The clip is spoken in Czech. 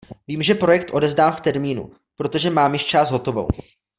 Vím, že projekt odevzdám v termínu, protože mám již část hotovou.